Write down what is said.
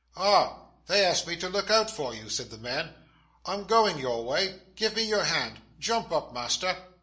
'Ah! They asked me to look out for you,' said the man. 'I'm going your way. Give me your hand jump up, master.